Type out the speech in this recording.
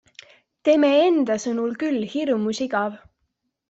Teme enda sõnul küll hirmus igav.